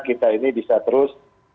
kita ini bisa terus